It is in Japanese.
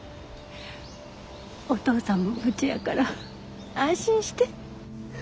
お父さんも無事やから安心して。